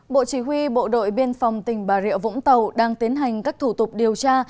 bộ chỉ huy bộ đội biên phòng tỉnh bà rịa vũng tàu đang tiến hành các thủ tục điều tra